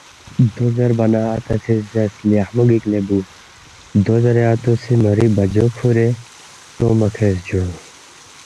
دو زیربا نہ اتا سی زیرس، ”لیخمو گِک لے بُو“ دو زیرے اتو سی ماری بَجو کُھورے ژونگما کھیرس جُو